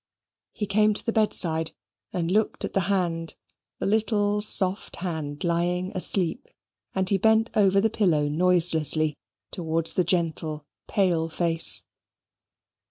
He came to the bedside, and looked at the hand, the little soft hand, lying asleep; and he bent over the pillow noiselessly towards the gentle pale face.